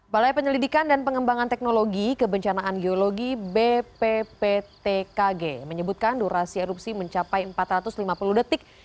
balai penyelidikan dan pengembangan teknologi kebencanaan geologi bpptkg menyebutkan durasi erupsi mencapai empat ratus lima puluh detik